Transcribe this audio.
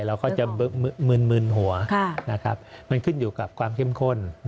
เราก็จะมึนหัวมันขึ้นอยู่กับความเข้มข้น